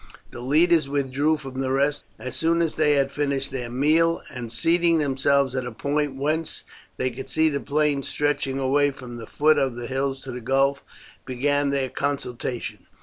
The leaders withdrew from the rest as soon as they had finished their meal, and seating themselves at a point whence they could see the plains stretching away from the foot of the hills to the gulf, began their consultation.